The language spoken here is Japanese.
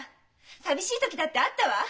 寂しい時だってあったわ。